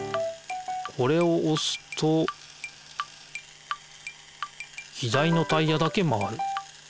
これをおすと左のタイヤだけ回る。